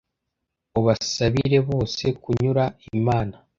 ubasabire bose kunyura imana